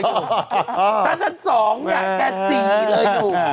ถ้าฉัน๒ที่เนี่ยก็๔เลย